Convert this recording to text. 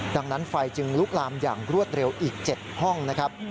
ดังนั้นไฟจึงลุกลามอย่างรวดเร็วอีก๗ห้องนะครับ